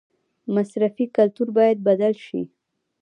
مصرفي کلتور باید بدل شي